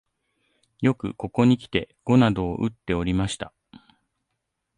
よくここにきて碁などをうっておりました